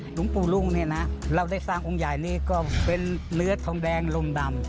หลวงปู่รุ่งเนี่ยนะเราได้สร้างองค์ใหญ่นี่ก็เป็นเนื้อทองแดงลมดำ